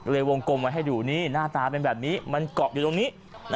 วงกลมไว้ให้ดูนี่หน้าตาเป็นแบบนี้มันเกาะอยู่ตรงนี้